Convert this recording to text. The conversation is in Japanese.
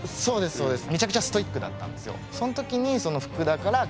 そうですね。